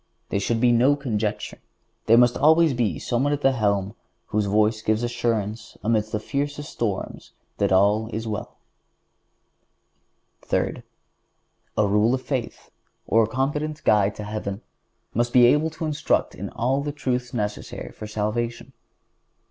There should be no conjecture. But there must be always someone at the helm whose voice gives assurance amid the fiercest storms that all is well. Third—A rule of faith, or a competent guide to heaven, must be able to instruct in all the truths necessary for salvation.